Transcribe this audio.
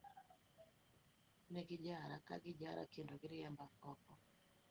Ne gijara, ka gijara, kendo riemba oko.